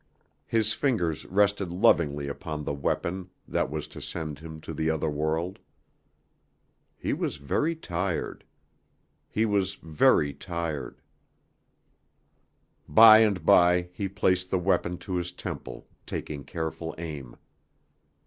His fingers rested lovingly upon the weapon that was to send him to the other world. He was very tired. He was very tired. By and by he placed the weapon to his temple, taking careful aim.